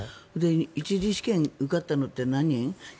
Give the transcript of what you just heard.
１次試験、受かったのって何人？